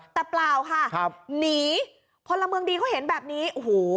แต่เปล่าค่ะครับหนีพลเมืองดีเขาเห็นแบบนี้โอ้โห